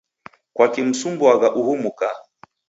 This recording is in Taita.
Kwaki mumsumbuagha uhu muka?